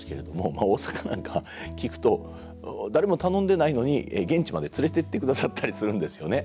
まあ大阪なんかは聞くと誰も頼んでないのに現地まで連れてってくださったりするんですよね。